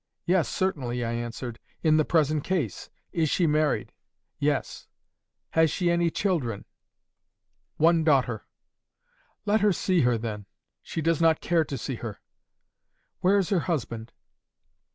"'Yes, certainly,' I answered—'in the present case. Is she married?' "'Yes.' "'Has she any children?' "'One daughter.' "'Let her see her, then.' "'She does not care to see her.' "'Where is her husband?